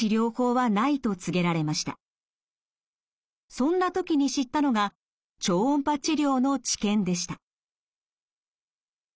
そんな時に知ったのが超音波治療の治験でした。